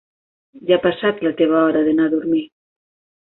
Ja ha passat la teva hora d'anar a dormir.